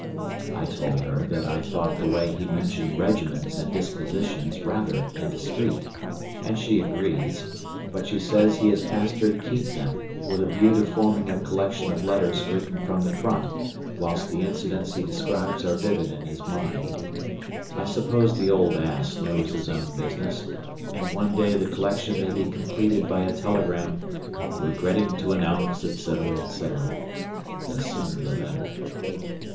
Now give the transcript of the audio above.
I told her that I thought the way he mentioned regiments and dispositions rather indiscreet, and she agrees, but she says he has asked her to keep them, with a view to forming a collection of letters written from the front whilst the incidents he describes are vivid in his mind. I suppose the old ass knows his own business, and one day the collection may be completed by a telegram "Regretting to announce, etc. etc." The sooner the better.